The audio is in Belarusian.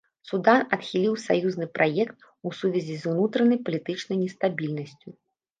Судан адхіліў саюзны праект, у сувязі з унутранай палітычнай нестабільнасцю.